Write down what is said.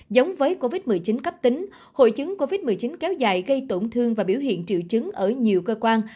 giống với covid một mươi chín cấp tính hội chứng covid một mươi chín kéo dài gây tổn thương và biểu hiện triệu chứng ở nhiều cơ quan